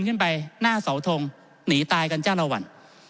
ขึ้นไปหน้าเสาทงหนีตายกันจ้าละวัน